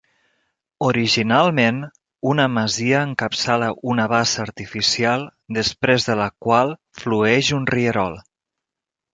Originalment una masia, encapçala una bassa artificial després de la qual flueix un rierol.